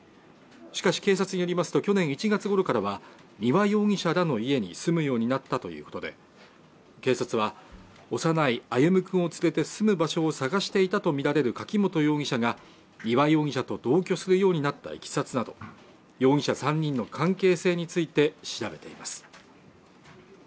しかし警察によりますと去年１月ごろからは丹羽容疑者らの家に住むようになったということで警察は幼い歩夢君を連れて住む場所を探していたと見られる柿本容疑者が丹羽容疑者と同居するようになった経緯など容疑者３人の関係性について調べています